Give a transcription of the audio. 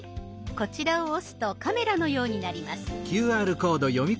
こちらを押すとカメラのようになります。